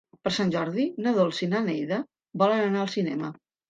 Per Sant Jordi na Dolça i na Neida volen anar al cinema.